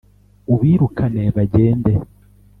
Ubirukane bagende